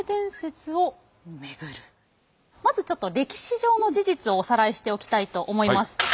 まずちょっと歴史上の事実をおさらいしておきたいと思います。